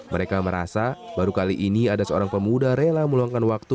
mereka merasa baru kali ini ada seorang pemuda rela meluangkan waktu